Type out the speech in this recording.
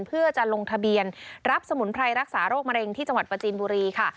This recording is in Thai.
เพื่อจะลงทะเบียนรับสมุนไพรรักษาโรคมะเร็งที่จังหวัดประจีนบุรีค่ะ